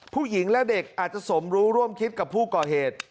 ผู้หญิงและเด็กอาจจะสมรู้ร่วมคิดกับผู้ก่อเหตุ